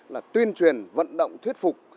là tuyên truyền vận động thuyết phục